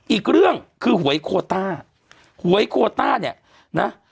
อีกเรื่องคือหวยโคต้าหวยโคต้าเนี่ยนะ